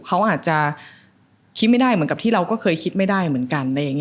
เขาอาจจะคิดไม่ได้เหมือนกับที่เราก็เคยคิดไม่ได้เหมือนกัน